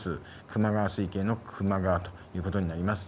球磨川水系の球磨川ということになります。